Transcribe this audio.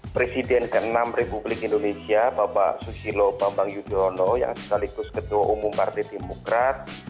presiden ke enam republik indonesia bapak susilo bambang yudhoyono yang sekaligus ketua umum partai demokrat